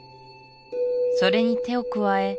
それに手を加え